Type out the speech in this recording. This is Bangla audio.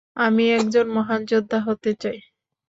আমি একজন মহান যোদ্ধা হতে চাই।